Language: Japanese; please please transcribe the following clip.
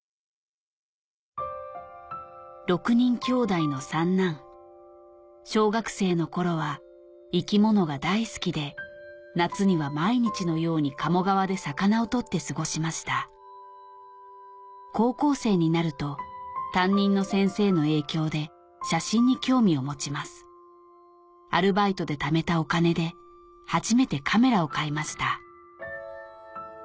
６人きょうだいの三男小学生の頃は生き物が大好きで夏には毎日のように鴨川で魚を捕って過ごしました高校生になると担任の先生の影響で写真に興味を持ちますアルバイトでためたお金で初めてカメラを買いました